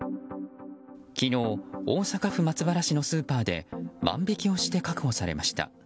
昨日、大阪府松原市のスーパーで万引きをして確保されました。